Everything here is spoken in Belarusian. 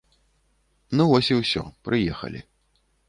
Ну, вось і ўсё, прыехалі.